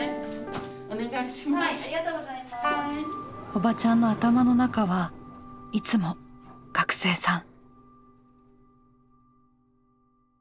おばちゃんの頭の中はいつも学生さん。